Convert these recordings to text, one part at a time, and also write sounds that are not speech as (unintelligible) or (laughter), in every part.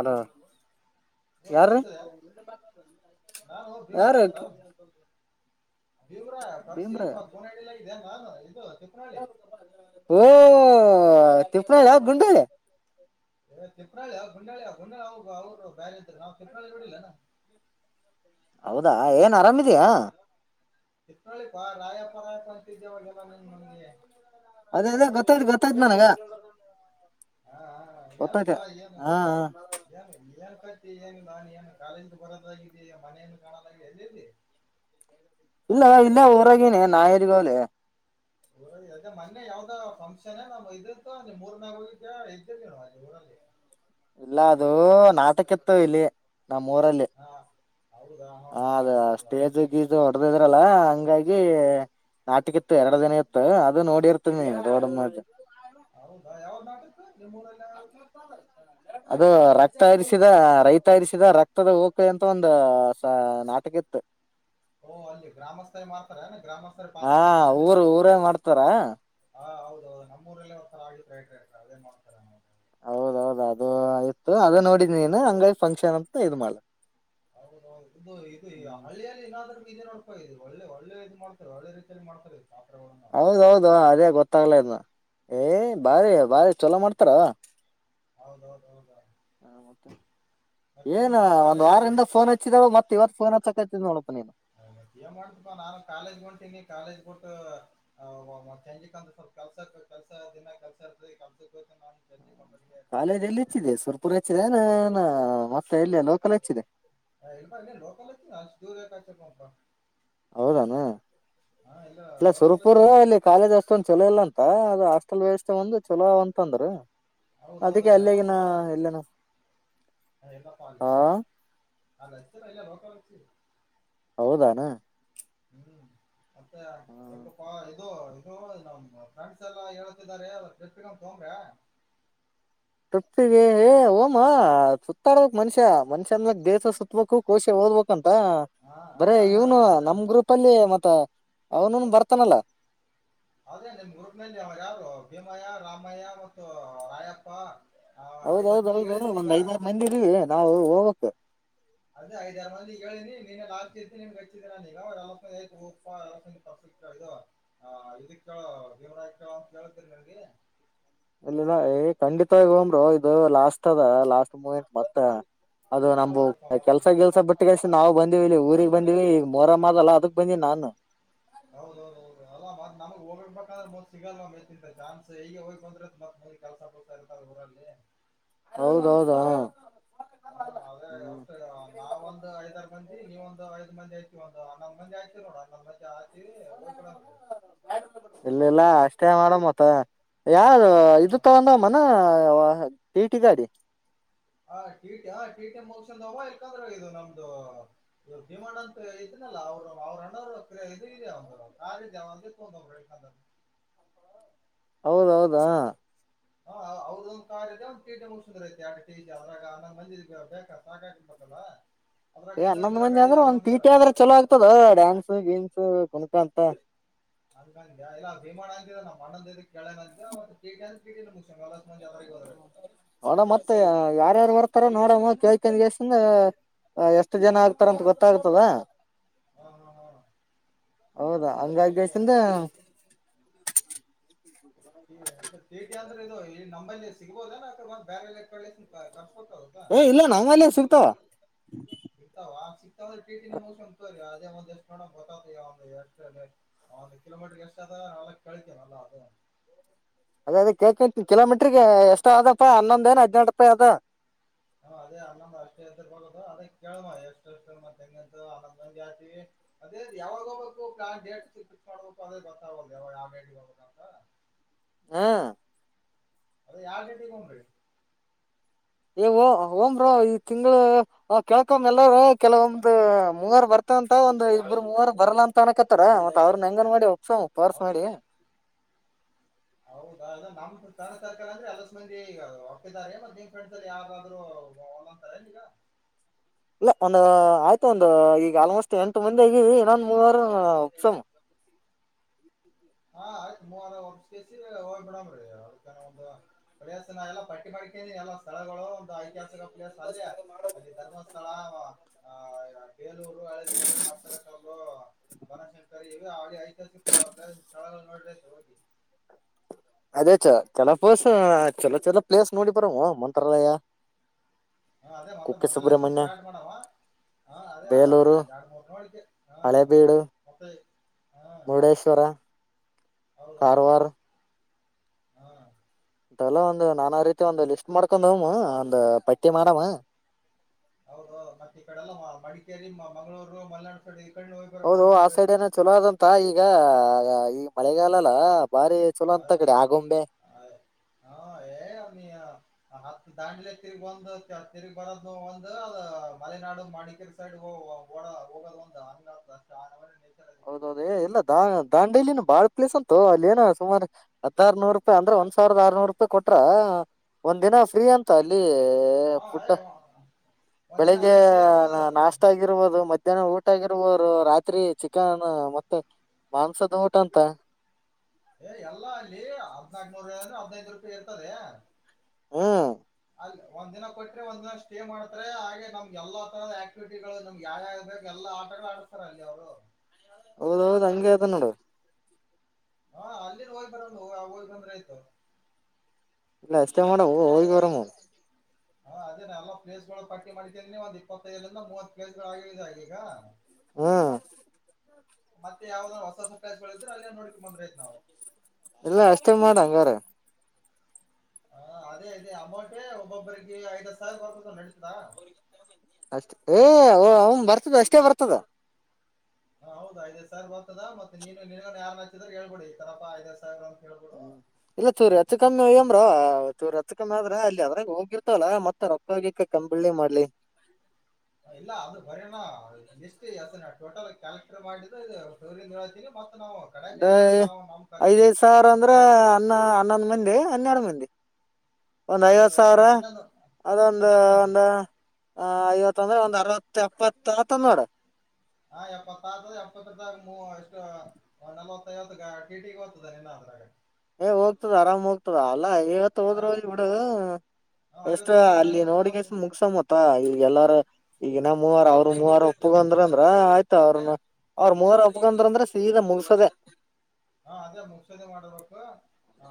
ಅದು ಹ್ಮ ಕೆಲಸ ನಾನ ಯಾರ ಭೀಮಯ ಅಂತ ದೇವ್ರ ಕರ್ಸು ಭೀಮ್ರ ಏನ್ ಕನ ಹೇಳಿಲ್ಲ ಇದೇನ್ ರ ಇದು ತಿಪ್ಪನಹಳ್ಳಿ ಓ ತಿಿಪ್ಪಣ ಯ ಗುಂಡದೆ ತಿಪ್ಪಾಳಿ ಅವವು ಬಂಡಾಳ ಅವ ಗುಂಡಾಿ ಅವ್ರು ಬೇರೆ ನಾವ್ ತಿಪ್ಪ್ರಾಳಿ ನೋಡಿಲಿಲ್ಲಾನ ಹೌದಾ ಏನ್ ಆರಾಮಿದಯಾ ಇತ್ ನೋಿ ಕ ರಾಯಪರತ್ ಅಂತಿದ್ದೇವಗೆಲ್ಲ ನಿ ನನ್ಗೆ ಅದೇ ಅದ ಗೊತ್ತಾಯ್ತ ಗೊತ್ತಾಯ್ತು ನನಗ ಹಾ ಹ ಗೊತ್ತಾಯ್ತ ನು ಹಾ ಏನು ಏನ ಬ ನೀನು ಕಾಲೇಜ ಬರೋದಾಗಿದೆ ಮನೆಯನ್ನು ಕಾಣೋದ ಅಲ್ಲಿ ಇಲ್ಲ ಇಲ್ಲ ಊರಾಗನೆೇ ನಾಯರಿಗಾವಾಲ ೆ ಮೊನ್ನೆ ಯಾವ್ದ ಫಂಕ್ಷನ್ ನಮ್ ಇದಂತ ನೀ್ ಮೂರ್ನೇಾಗ ಹೋಗಲಿಕ್ಕೆ ಇದ್ದೇ ನೀವು ಹೆಲ್ಲಿ ಇಲ್ಲ ಅದು ನಾಟಕ ಇತ್ತ ಇಲ್ಲಿ ನಮ್ಮ ಊರಲ್ಲಿ ಹಾ ಹೌದಾ ಹಾ ಹ ಹಾ ಅದ ಹೌದೌದು ಸ್ಟೇಜ್ಗ ಹೊಡ ಇದ್ರಲ್ಲ ಹಂಗಾಗಿ ನಾಟಕಿತ್ತು ಎರಡು ದಿನ ಇತ್ತು ಅದು ನೋಡಿ ಇರ್ತೀನಿ ನೀ ದೋಡ ಮಜೆ ಹೌದಾ ಯಾವ್ದು ನಾಟಕ ನಿಮ್ಮ ಊರಲ್ಲಿ (inaudible) ಅದು ರಕ್ತ ಹರಿಸಿದ ರೈತ ಹರಿಸಿದ ರಕ್ತದ ಓಕ ಅಂತ ಒಂದು ಸ ನಾಟಕ ಇತ್ತು ಓ ಅಲ್ಲಿ ಗ್ರಾಮಸ್ಥರ ಮಾಡ್ತಾರೆ ಏನ ಗ್ರಾಮಸ್ಥರ ಪಾತ್ರ ಹಾ ವಹಿಸ್ತಾರ ಏನ ಊರ್ ಇಲ್ಲಿ ಊರೇ ಮಾಡ್ತಾರ ಹಾ ಹೌದ ಹೌದು ನಮ್ಮೂಊರಲ್ಲ ಒಸರ ಆಗಿದ್ರಟ ಅದೇನ್ ಮಾಡ್ತ ನ ಹೌದೌದ ಅದು ಆಯ್ತು ಅದ ನೋಡಿದ್ ನೀನು ಹಂಗಾಗಿ ಫಂಕ್ಷನ್ ಅಂತ ಇದ ಮಾಡಳ ಹೌದೌದು ಇದು ಇದು ಹಳ್ಳಿಯಲ್ಲಿ ಏನಾದ್ರೂ ಇ ನೋಡ್ಕಾ ಇದು ಒಳ್ಳೆ ಒಳ್ಳೆ ಇದು ಮಾಡ್ತಾರೆ ಒಳ್ಳೆ ರೀತಿಯಲ್ಲಿ ಮಾಡ್ತಾರೆ ಪಾತ್ರಗಳನ್ನ ಜನ ಹೌದೌದು ಅದೇ ಗೊತ್ತಾಗ್ಲ ಇದ್ನ ಏ ಹಾ ಬಾರಿ ಬಾರಿ ಚೊಲೋ ಮಾಡ್ತಾರ ಹೌದೌದ ಹೌದ ಹ ಮತ್ತೆ ಏನ್ ಏನಪ್ಪಾ ಒಂದ್ ಕಾಲೇಜ್ಗೆ ವಾರಿಂದ ಫೋನ್ ಹಚ್ಚಿದಾವ ಮತ್ತೆ ಇವತ್ತು ಫೋನ್ ಹ ೋಪ್ಪ ನೀನು ಏನ್ ಮಾಡ್ತಪಾ ನಾನು ಕಾಲೇಜ್ ಹೊಂಟೀನಿ ಕಾಲೇಜ್ ಬಿಟ್ಟು ಮತ್ತ ಹೆಜಿಕ್ ಅಂದ ಸ್ವಲ್ಪ ಕೆಲ್ಸಕ್ ನಾನು ಹ್ಮ ಸಂಜಿಕ್ ಒಂಬತ್ತಿಗೆ ಟೈಮ್ ಕಾಲೇಜ್ಲ್ಲಿ ಸಿಗಲ್ಲಪಾ ಹೆಚ್ಚಿದೆ ನನಗೆ ಸುರ್ಪುರ ಹೆಚ್ಚಿದೆ ನಾನ ಮತ್ತೆ ಎಲ್ಲಿ ಅಲ್ಲೋಕನ ಹೆಚ್ಚಿದೆ ದರ ಕ ಚರ್ ನಕ ಹೌದಾನ ಇಲ್ಲ ಲೋಕಲ್ ಸುರಪುರ ಹಚ್ಚಿ ಇಲ್ಲಿ ಕಾಲೇಜ್ ಅಷ್ಟೊಂದು ಚಲೋ ಇಲ್ಲಂತ ಮತ್ತ ಅದ ಹಾಸ್ಟೆಲ್ ವ್ಯವಸ್ಥೆ ಒಂದು ಚಲೋ ಅಂತಂದ್ರ ಅದಕ್ಕೆ ಅಲ್ಲಗಿನ ಎಲ್ಲೇನ ಅೇ ಪಾಪ ಹಾ ಅ ಅಲ್ಲ ಬ ಹೌದಾನ ಹ್ಮ್ ಮತ್ತೆ ಎ ಇದು ಇದು ನಮ ಫ್ರೆಂಡ್ಸ್ ಎಲ್ಲ ಹೇಳತಿದ್ದಾರೆ ತೋಂಗ್ರ ತಪ್ತಿಿಗೆ ಓಮ ಸುತ್ತಾಡ್ಬೇಕಕ್ ಮನುಷ್ಯ ಮನ್ಷ್ಯನ್ಕ್ ದೇಹ ಸುತ್ತಬೇಕು ಕೋಶ ಓದಬೇಕಕ್ಂತ ಬಾ ಹಾ ಹಾ ಬರೇ ಹಾ ಇವನು ಅದ ನಮ ಗ್ರೂಪ್ ಅಲ್ಲಿ ಮತ್ತೆ ಅವನುೂನು ಬರ್ತಾನಲ್ಲ ಅದೇ ನಿಮ್ ಊರ್ ಮೇಲೆ ಯಾರು ಭೀಮಯ ರಾಮಯ್ಯ ಮತ್ತು ರಾಯಪ್ಪ ಆ ಐದಾರು ಮಂದಿಗೆ ಹೌದೌದೌದೌದು ಹೇಳಿದ್ದೀನಿ ಈಗ ಒಂದ್ ಐದಾರು ಮಂದಿೀವಿ ನಾವು ಹೋಗಕ್ ಅದೆ ಐ ಜರ ಮಂದಿ ಹೇಳಿನಿ ಲ ನಿಮ್ಗೆಚ್ಚಿದ ನಾನಗ ಎರ್ದು ಕ್ಕಳ ದೇವ್ರ ಇಕ್ಕಳ ಅಂತ ಕೇಳ್ತೇಿ ನಗೆ ಇಲ್ಲಿ ಖಂಡಿತವವಾಗಿ ಹಂಬರು ಇದು ಲಾಸ್ಟ್ ಅದ ಲಾಸ್ಟ್ ಮೂಮೆಂಟ್ ಮತ್ತ ಅದು ನಮ್ ಅವ್ರು ಕೆಲ್ಸ ಕೆಲ್ಸ ಬಿಟ್ಟಿಗೆಷ್ಟ ನಾವು ಬಂದಿವವಿ ಇಲ್ಲಿ ಊರಿಗೆಗ್ ಬಂದಿವ ಈಗ ಮೊರಮ್ ಆಗಲ್ಲ ಅದಕ್ ಬಂದಿವ ನಾನು ಹೌ ಅವಾ ಮ ನಮಗ್ ಹೋಗ್ಿಡ್ಬೇಕಂದ್ರೆ ಮ್ ಸಿಗಲ್ ಮಿಂದ ಚಾನ್ಸ್ ಈಗ ಹೋಗಿ ಬಂದ್ರೆ ಕೆಲ್ಸ ತ ಇರ್ತ ಊರಲ್ಲಿ ಹೌದೌದ ಹಾ ಹಾ ಅದೇ ವಸ್ ನಾವ ಒಂದು್ ಐದಾರು ಮಂದಿ ಇ ನೀವ ಒಂದು ಐದ ಮಂದಿ ಆಐತಿ ಒಂದುಾಕ ಮಂದಿ ಆಯಐತಿ ನೋಡ ಮಂದ ಇಲ್ಲಲ್ಲ ಅಷ್ಟೇ ಮಾಡ ಮತ್ತ ಯಾರು ಇದು ಹಾ ತಗೊಂಡವ ಮನ ಟೀಟಿ ಗಾಡಿ ಹಟೀಟೆ ಟೀಟಿ ಮಸವ ಇಕಂದ್ರ ಇದು ನಮ್ದು ಭೀಮಣ ಅಂತ ಇದ ಇಲ್ಲಲ್ಲ ಅವರು ಅವ್ರನ್ನವರು ಇಂದ ಕಾಲಜಂದ ಹೌದೌದಾ ಅವೌದೊಂದ್ ಕಾರ್ ಒಂದ್ ಕೀಟ ಹಷಂದ್ರ ಐತಿ ಆಿ ಅ್ರಾಗ ಅ ಮಿ ಬೇಕ ಸಾಕ ಆಕಬೇಕಲ್ಲ ಏ ಹನ್ನೊಂದ್ ಮಂದಿ ಆದಂದ್ರೆ ಒಂದ್ ಪೀಟಿ ಆದ್ರೆ ಚಲೋ ಆಗ್ತದ ಡ್ಯಾನ್ಸ್ ಗೇಮ್ಸ್ ಕುನಕ ಅಂತ ಹಂಗಂ ಇಲ್ಲ ಭೀಮಣ ಅಂತಿದೆ ನಮ್ಮ ಅಣಂದ ಕೇಳ ಅಂತ ಮತ್ತ ಕಿ ಅ ನ ನೋಡ ಮತ್ತೆ ಯಾರ್ಯಾರು ಬರ್ತಾರ ನೋಡಮ್ಮ ಕೇಳ್ಕನ್ಸಂದ ಎಷ್ಟು ಜನ ಆಗ್ತಾರ ಅಂತ ಗೊತ್ತಾಗ್ತದ ಹಾ ಹಾ ಹಾ ಹೌದಾ ಹೌದು ಹಂಗಾಗಸಂದ್ರ ಚೇಟಿ ಅಂದ್ರೆ ಇದು ನಂಬಲ್ಲಿ ಸಿಗ್ಬೋದಏ ಅಕ ಬಂದ ಬೇರೆ ಎಲ್ಲ ಕ ಏ ಇಲ್ಲ ನಮ್ಮಲ್ಲಿ ಸುಗ್ತಾವ ಸಿಾವ ಆ ಸೀತಾವ ಕೆೇಟ ನ ಮೌಸ ತೋ ಒಂದು ಕಿೋಮೀಟರ್ ಎಷ್ಟ ಆದ ನ ಕಳಿತ ನಲ್ಲ ಅದ ಅ ಕಿಲೋಮೀಟ್ರಿಗೆ ಎಷ್ಟ ಅದಪ್ಪ ಹನ್ನೊಂದ ಏ ಹದಿನಂಟ ರೂಪಾಯಿ ಅದ ನ ಅದೇ ಅನ್ನಂದ ಅಷ್ಟೇ ಎ ಬ ಅದೇ ಕೇಳ ಎಷ್ಟು ಅಷ್ಟ ಹೆಂಗಂತ ಅ ಜಾತಿ ಅದೇ ಯಾವಾಗ ಕದ ಕ ಆಗ ಕ ಹಾ ಅದ ಯಾರ ರ ತಗೊಂಡ್ರಿ ಏವೋ ಓಮ್ರ ಈ್ ತಿಂಗಗಳು ಕೇಳ್ಕೊಮ್ಮ ಎಲ್ಲಾರ ಕೆಲವೊಂದಂದು್ ಮುಂಗಾರ ಬರ್ತ ಮ ಅಂತ ಒಂದಂದು ಇಬ್ಬರು ಮೂವರು ಬರಲ್ಲ ಅಂತ ಅನಕತ್ತಾರ ಮತ್ ಅವ್ರನ್ನ ಹೆಂಗನ್ ಮಾಡಿ ಒಪ್ಸಪಾರ್ಸ್ ಮಾಡಿ ಹೌದ್ ಹ ಹೌದಾ ನಮ್ ಸರ್ಕಾರ ಅಂದ್ರೆ ಅದ ಮಂದಿ ಒಪ್ಪಿದ್ದಾರೆ ಮತ್ತ ನಿಮ್ ಫ್ರೆಂಡ್ ಅಲ್ಲಿ ಯಾವಾದ್ರು ಒಂದಂದು ಆಯ್ತು ಒಂದು ಈಗ ಆಲ್ಮೋಸ್ಟ್ ಎಂಟು ಮಂದಿ ಆಗ ಇನ್ನೊಂದ ಮೂವಾರ ಉಪ್ಸಮ ಹ ಹಾ ಆಯ್ತು ಮೂವಸ್ ಬಿಡಾಮ್ರಿ ಅದ ಒ ಪರಿಯ ನಾ ಎಲ್ಲಾ ಪಟ್ಟಿ ಪಡ್ಕನಿ ಎಲ್ಲಾ ಸ್ಥಳಗಳು ಒ ಐತಿಹಾಸ ಹಲ್ಲ ಅಲ್ಲಿ ಧರ್ಮಸ್ಥಳ ಏಲೂರು ಅಳವೀಡು ಪಟ್ಟದ ಕಲು ಬನಶಂಕರಿ ಇವೆ ಆಡಿ ಐತಿಹಾಸಿಕ ಪ್ಲ ಸ ನೋಡ್ ಹೋಗ ಅದೇ ಚ ಚಲೋ ಪ್ರ್ಸ್ ಚಲೋ ಚಲೋ ಪ್ಲೇಸ್ ನೋಡಿ ಬರವು ಮಂಟರಯ ಹಾ ಅದೇ ಮತ್ತ ಮೊ್ಲ ಲಕ್ಷ ಸ್ಟಾರ್ಟ್ ಮಾಡವ ಹಾ ಅದೇ ಬೇಲೂರು ಅಡು ಮೂರನ ಮಳಕ್ಕೆ ಹಾ ಹಳೇಬೀಡು ಮತ್ತೆ ಹಾ ಮುರುಡೇಶ್ವರ ಹೌದೌದ ಕಾರವಾರ ಹ್ಮ ಮಲ್ಲ ಒಂದು ನಾನ ರೀತಿ ಒಂದು ಲಿಸ್ಟ್ ಮಾಡ್ಕೊಂಡ್ಮ್ಮ ಒಂದ್ ಪಟ್ಟಿ ಮಾಡಮ್ಮ ಹೌದು ಮತ್ತೆ ಈ ಕಡೆಲ್ಲ ಮಡಿಕೇರಿ ಮಂಗಳೂರು ಮಲೆನಾಡು ಕಡೆ ಹೋಗಿ ಬರ ಹೌದು ಹೋಗಿ ಆ ಬಂದ್ರ ಸೈಡ್ ಆಯ್ತು ಏನ ಚಲೋ ಆದದಂತ ಈಗ ಈ ಮಳೆಗಾಲಲ್ಲ ಬಾರಿ ಚಲೋ ಅಂತ ಕಡೆ ಆಗೊಂಬೆ ಹತ್ ದಾಂಡ್ಲೆ ತಿರ್ಗ್ ಬಂದು ತಿರುಗ್ ಬರೋ ಒಂದು ಅ ಮಲೆನಾಡು ಮಡಿಕೇರಿ ಸೈಡ್ ಹ ವಡ ಹೋಗಲ್ಲಂದ ಹೌದೌದ ಏ ಇಲ್ಲ ದಾ ದಾಂಡೇಲಿಿನ ಬಾಳ್ ಪ್ಲೇಸ್ ಅಂತು ಅಲ್ಲಿ ಏನ ಸುಮಾರ ಹದಾರ ನೂರು ರೂಪಾಯಿ ಅಂದ್ರ ಒಂದ್ ಸಾವಿರದ ಆರ್ನೂರು ರೂಪಾಯಿ ಕೊಟ್ರ ಒಂದ್ ದಿನ ಫ್ರೀ ಅಂತ ಅಲ್ಲಿ ಹಾ ಫುಡ್ ಏ ಒಂದ್ ದಿನ ಬೆಳಿಗ್ಗೆ ಅಲ್ಲೇ ಸ್ಟೇ ಇರ್ಬೋದು ನಾಷ್ಟತ ಆಗಿರ್ಬೋದು ಮ ಇದ ಊಟ ಆಗಿರುವರು ರಾತ್ರಿ ಚಿಕ್ಕ ಅಕ್ಕಾನ ಮತ್ತೆ ಮಾಂಸದ ಊಟ ಅಂತ ಏ ಎಲ್ಲಾ ಅಲ್ಲಿ ಹದ್ನಾಕನೂರುೂಾಯಿ ಅಂದ್ರೆ ಹದ್ನೈದು ರೂಪಾಯಿ ಇರ್ತದೆ ಹ್ಮ ಅಲ್ಲಿ ಒಂದ ದಿನ ಕೊಟ್ರೆ ಒಂದ್ನ ಸ್ಟೇ ಮಾಡ್ತಾರೆ ಹಾಗೆ ನಮ್ಗೆ ಎಲ್ಲಾ ತರದ ಆಕ್ಟಿವಿಟಿಗಳು ನಮ್ ಯಾವ್ಯ ಎಲ್ಲ ಎಲ್ಲ ಆಟಗಳು ಆಡಸ್ತಾರ ಅಲ್ಲಿ ಅವರು ಹೌದ ಹೌದು್ ಹಂಗಗೆ ಆತ ನೋಡು ಹಾ ಅಲ್ಲಿ ಹೋಗಯ್ ಬರೋ ಹಯ್ ಬಂದ್ರೆ ಆಯ್ತು ಇಲ್ಲ ಎಷ್ಟೇ ಮಾಡ ಹೋಗಿ ಬರ ಹಾ ಅದೇ ನಾ ಎಲ್ಲ ಪ್ಲೇಸ್ಗಳು ಪಟ್ಟಿ ಮಾಡತೀಿದನಿ ಒಂದ್ ಇಪ್ಪತ್ತೈದಂದ ಮೂವತ್ ಪ್ಲೇಸ್ ಗಳು ಆಗಿದೆಗ ಈಗ ಹಾ ಮತ್ತೆ ಯಾವದ್ರು ಹೊಸ ಸರ್ಕಗಳಿದ್ರೆ ಅಲ್ಲೇ ನೋಡ್ಕ ಬಂದ್ರೈತ್ ನಾವು ಇಲ್ಲ ಅಷ್ಟೇ ಮಾಡ ಹಂಗಾರ ಹಾ ಅದೇ ಅೇ ಅಮೌಂಟ ಒಬ್ಬೊಬ್ಬ್ರರಿಗೆ ಐದತ್ತು ಸಾವಿರ ವರ್ ನಡತದಾ ಅಷ್ಟ ಏ ಅವನ್ ಬರ್ತದ ಅಷ್ಟೇ ಬರ್ತದ ಹ ಹೌದ ಐದ ಸಾವಿರರ್ತದ ಮತ್ತ ನೀನ್ ನಿ ಯಾರಾರ್ ನಚ್ಚಿದ್ರ ಹೇಳ್ಬಿಡಿ ಈ ತಪ್ಪ ಐದ್ ಸಾವಿರ ಹೇಳ್ಬಿಡು ್ರ ರತ್ ಕಮ್ಮಿ ಆದ್ರೆ ಅಲ್ಲಿ ಅದ್ರಾಗ ಹೋಗಿರ್ತವಲ್ಲ ಮತ್ತೆ ರೊಕ್ಕ ಹೋಗಿಕ್ಕ ಕಂಬಳ್ಳಿ ಮಾಡ್ಲಿ ಇಲ್ಲ ಅದು ಬರಣ ಲಸ ಟೋಟಲ್ ಕಾಲಕ್ಟರ್ ಮಾಡಿದ ರಿ ಹೇಳ್ತಿನಿ ಮತ್ತೆ ನಾವು ಅದ ಕಡೆಗೆ ಏನಾದ್ರೂ ನಾವು ನಮ್ ಖರ್ಚಿ ಐದೈದ್ ಸಾವಿರ ಅಂದ್ರೆ ಕಡೆಕ್ ಅನ್ನ ಹನ್ನೊಂದು ಮಂದಿ ಹನ್ನೆರಡು ಮಂದಿ ಒಂದ್ ಅದು ಐವತ್ತು ಎಷ್ಟು ಸಾವಿರ ಹನ್ನೊಂದು ಅದೊಂದ ಹನ್ನೊಂದು ಮಂದಿ ಒಂದು ಆ ಐವತ್ತಂದ್ರೆ ಒಂದ್ ಅರ್ವತ್ ಎಪ್ಪತ್ತುತ್ತ ನೋಡ ಹಾ ಎಪ್ಪತ್ತತದ ಎಪ್ಪ ಎಷ್ಟು ನಲವತ್ತೈವತ್ತು ಟಿಟಿಗೆ ಹೋಗ್ತದೆ ನಿನ್ನಾದ್ರಾಗ ಏ ಹೋಗ್ತದ ಆರಾಮ್ ಹೋಗ್ತದ ಅಲ್ಲಾ ಇವತ್ತು ಹಾ ಹೋದ್ರ ಬಿಡು ಹ ಎಷ್ಟ ಐವತ್ತು ಹೋದ್ರ ಅಲ್ಲಿ ಮ್ಯಾಗಿನ ಮೂವತ್ತು ನೋಡಗಸ ಮುಗಸ ಮತ್ತ ಈ ಎಲ್ಲಾರ ಈಗಿನ ಮೂವಾರ ಅವ್ರರು ಮೂವಾರ ಒಪ್ಪಗ ಅಂದ್ರ ಅಂದ್ರ ಆಯ್ತ ಅವ್ರನ್ನ ಅವ್ರ ಮೂವರ ಒಪ್ಕೊಂಡ್ರ ಅಂದ್ರೆ ಸೀದಾ ಮುಗಸೋದೆ ಹಾ ಅದೇ ಮುಗಸದಿ ಮಾಡದ್ ರೊಕ್ಕ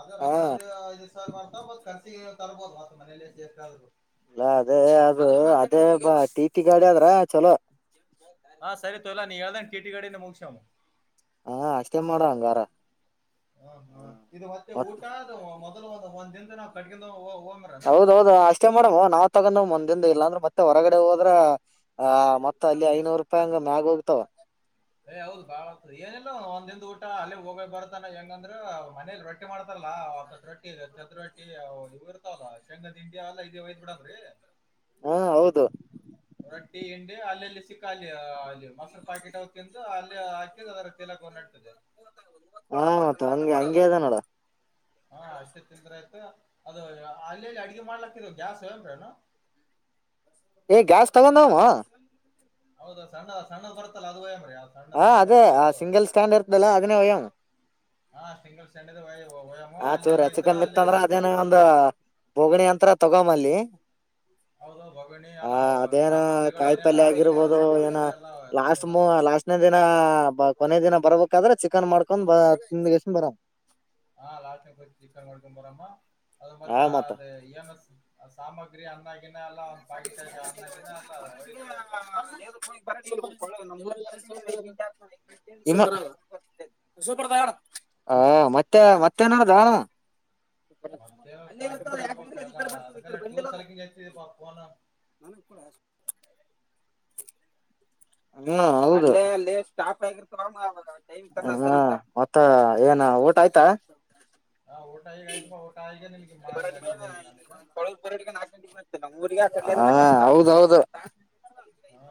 ಅದೇ ಹಾ ರೊಕ್ಕದ ಐದ್ ಸಾವಿ ಮಾಡ್ತ ಮತ್ ಕರ್ಸ ತರ್ಬೋದು ಮತ್ತ ಮನೇ ಸೇರ್ತಾ್ರು ಇಲ್ಲ ಅದೇ ಅದು ಚಲ ಹಾ ಸರಿ ತೋ ಇಲಾ ನೀ ಹೇಳ್ದನ್ ಕಟಿಟಿ ಗಾಡಿನ ಮುಗಸ್ಯಾಮ ಹಾ ಅಷ್ಟೇ ಮಾಡುವ ಹಂಗಾರ ಹ ಹಾ ಇದು ಮತ್ತೆ ಊಟ ಅ ಮೊದ್ಲು ಒಂದ್ ದಿನದ ನಾವ್ ಕಡ್ಗ ಹೌದೌದು ಅಷ್ಟೇ ಮಾಡಮ್ಮ್ ನಾ ತಗೊಂಡ ಮಂದಿಂದ ಇಲ್ಲ ಅಂದ್ರ ಮತ್ತೆ ಹೊರಗಡೆ ಹೋದ್ರ ಆ ಮತ್ತತ್ ಅಲ್ಲಿ ಐನೂರು ರೂಪಾಯಿ ಅಂಗ ಮ್ಯಾಗ ಹೋಗತಾವ ಏ್ ಹೌದ ಬಾ ಏನಿಲ್ಲ ಒಂದ್್ ಊಟ ಅಲ್ಲಿ ಹೋಗ ಬರ್ತಾನ ಹೆಂಗಂದ್ರ ಮನೇಲಿ ರೊಟ್ಟಿ ಮಾಡ್ತಾರ ಲ್ಲ ರೊಟ್ಟಿ ಚದ್ರೊಟ್ಟಿ ಇವು ಇರ್ತಾವಲ್ಲ ಶೇಂಗದಿಂಡಿ ಎಲ್ಲಾ ಇದೇ ಒಯ್ ಬಿಡದ್ರೀ ಹಾ ಹೌದು ಟ್ಟಿ ಹಂಡಿ ಅಲ್ಲೆಲ್ಲಿ ಸಿಕ್ಕಾಲಲಿ ಅಲ್ಲಿ ಮೊರು ಪಾಕೆಟ್ ಹ ತಿಂದು ಅಲ್ಲಿ ಹಾಕಿದ ಅದ ಹಾ ಹಂಗೆ ಹಂಗೆ ಇದ ನೋಡ ಹಾ ಅಷ್ಟೇ ತಿಂದ್ರ ಆಯ್ತು ಅದ ಅಲ್ಲಿಲ್ಲಿ ಅಡಗೆ ಮಾಡ್ಲಾತಿದ ಗ್ಯಾಸ್ ಹೇಳಂದ್ರನು ಏ್ ಗಾಸ್ ತಗೊಂಡಾಮ ಹೌದ ಸಣ್ಣ ಸಣ್ಣ ಬತ್ತಲ್ಲ ಅದು ವಯ ಹಾ ಅದೇ ಆ ಸಿಂಗಲ್ ಸ್ಟ್ಯಾಂಡ್ ಇರ್ತದಲ್ಲ ಅದನ್ನೇ ವಯಂ್ ಹಾ ಸಿಂಗಲ್ ಸಂಡ ಆ ಚೂರ ಚಿಕ್ಕಮ್ಮಿತ್ತ ಅಂದ್ರ ಅದೇನ ಒಂದ ಬೋಗಣಿ ಅಂತ್ರ ತಗೊಮಲ್ಲಿ ಹೌದು ಬಗಣಿ (inaudible) ಹ ಎಲ್ಲ ಅದೇನ ಸಾಮಗ್ರಿಗಳು ಏನೇನು ಕಾಯಿಪಲ್ ಅಡಿಗೆ ಮಾಡೋ ಆಗಿರ್ಬೋದು ಏನ ಸಾಮಗ್ರಿಗಳೆಲ್ಲ ಲಾಸ್ಟ್ ತಂದೋಣ ಲಾಸ್ಟ್ನ ದಿನ ಕೊನೆ ದಿನ ಬರಬೇಕಾದ್ರೆ ಚಿಕನ್ ಮಾಡ್ಕೊಂಡ್ ಬ ತಿಿಂದಗಸ ಬರ ಹ ಲಾ ಕುರಿ ಚಿಕನ್ ಕಡ್ಕೊ ಬರಮ್ಮ ಅದು ಆ ಮತ್ತೆ ಅ ಮತ್ತ ಎಮ ಎಸ್ ಸಾಮಗ್ರಿ ಅನ್ನ ಗಿನ್ನ ಎಲ್ಲ (inaudible) (unintelligible) (inaudible) ಒಂದು ಪಾಕಿಟ್ ಹಾಕಿ ಅನ್ನ ಗಿನ್ನ ಎಲ್ಲ ಒಯ್ದ್ರು ಆಯ್ತು ಹ ಮತ್ತೆ ಮತ್ತೆ ನಡ್ದ ಮತ್ತೆಪ್ಪಾ ನಿಮ್ದ್ ಹೇಳ್ಬೇಕಾಪ ಎಲ್ಲಾ ಅದಕ್ಕಲ್ಲ ಟೂರ್ ಸಲಕಿಂಗ ಎತಿದ ಬಾ ೋನ (inaudible) ಹ್ಮೌ ಮತ್ತ ಏ ಹಾ ಊಟ ಆಯ್ತಾ ಹಾ ಊಟ ಈಗ ಆಯ್ತಪಾ ಊಟ ಈಗ ನಿನ್ಗೆ ಮಾ ಈಗ ಹಚ್ಚಿದೆ ಈಗ ನಾನೀಗ ರಾರಟ ಹಾಕ ಹಾ ಹೌದೌದು ಹಾ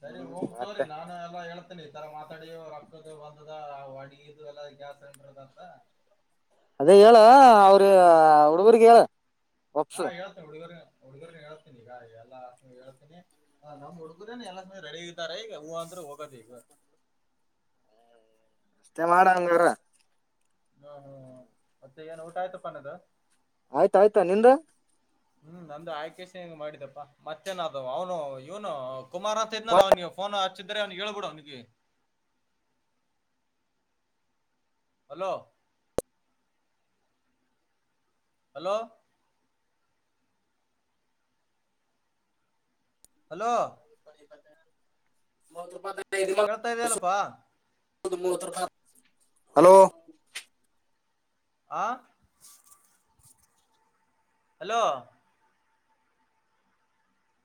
ಸರಿ ಓಮ ಹ್ಮ ಮತ್ತೆ ತೋ್ರರಿ ನಾನು ಎಲ್ಲ ಹೇಳ್ತೇನಿ ಈ ತರ ಮಾತ್ರ ಡ ರೊಕ್ಕದ ಬಂದದ ಅಡಡಿ ಇದು ಎಲ್ಲ ಗ್ಯಾಸ್ ಸಿಲಿಂಡರ್ ಅದಂತ ಅದೇ ಹೇಳ ಅವ್ರ ಹುಡುಗರ್ರಿಗೆ ಹೇಳ ಒಪ್ಸ ಹಾ ಯಳ್ತ ಇಡ್ವ (inaudible) ಈಗ ಎಲ್ಲ ಹೇಳ್ತೀನಿ ನಮ್ ಹುಡುಗದೇನೆ ಎಲ್ಲ ರೆಡಿ ಇದ್ದಾರೆ ಈಗ ಹೂ ಅಂದ್ರೆ ಹೋಗೋದ ಈಗ ಹ್ಮ ಮತ್ತೆ ಮಾಡ ಹಂಗಾರ ಹ್ಮ ಹ್ಮ್ ಮತ್ತೆ ಏನ್ ಊಟ ಆಯ್ತಪ್ಪನ್ದ ಆಯ್ತಾಯಯ್ತಾ ನಿಂದ ಹ್ಮ್ ನಂದು ಆಯ್ಕೇಶ ಹೆಂಗ ಮಾಡಿದಪ್ಪಾ ಮತ್ತೇನ ಅದು ಅವ್ನು ಇವನು ಕುಮಾರ್ ಅಂತ ಇದ್ನಲ್ಲ ಅವ್ನಿಗೆ ಫೋ ಹಚ್ಚಿದ್ರೆ ಅವ್ನಿಗೆ ಹೇಳ್ಬಿಡು ಅವನಿಗೆ (unintelligible) ಹಲೋ ಹಲೋ (unintelligible) ಹಲೋ (unintelligible) ಮತಪದ ಕೇಳ್ತಾ ಇದಲ್ಲಪ್ಪಾ (unintelligible) ಹಲೋ ಆ (unintelligible) ಹಲೋ